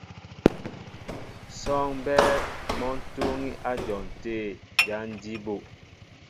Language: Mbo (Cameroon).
Sɔ́ɔŋ mbɛ́ɛ́ mɔ́ ń túúŋí á dyɔn tə̂ jǎn jí bú.